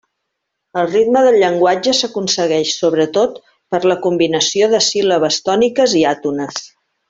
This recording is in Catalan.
El ritme del llenguatge s'aconsegueix, sobretot, per la combinació de síl·labes tòniques i àtones.